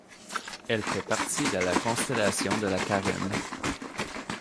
Elle fait partie de la constellation de la Carène.